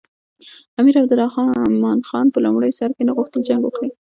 امیر عبدالرحمن خان په لومړي سر کې نه غوښتل جنګ وکړي.